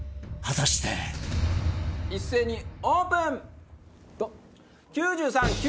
果たして一斉にオープン！